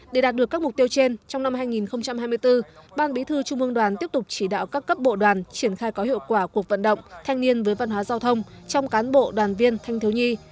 để đạt được các mục tiêu trên trong năm hai nghìn hai mươi bốn ban bí thư trung ương đoàn tiếp tục chỉ đạo các cấp bộ đoàn triển khai có hiệu quả cuộc vận động thanh niên với văn hóa giao thông trong cán bộ đoàn viên thanh thiếu nhi